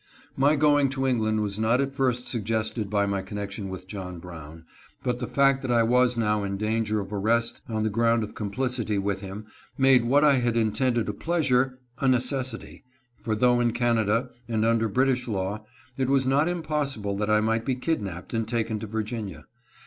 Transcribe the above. My going to England was not at first suggested by my connection with John Brown, but the fact that I was now in danger of arrest on the ground of complicity with him made what I had intended a pleasure a necessity, for though in Canada, and under British law, it was not impossible that I might be kidnapped and taken to Virginia.